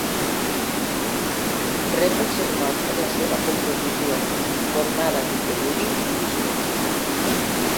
Rep el seu nom per la seva composició, formada de tel·luri i bismut.